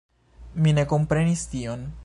Mi ne komprenis tion.